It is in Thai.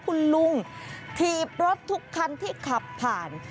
คุณลุงถีบรถทุกคันที่ขับผ่าน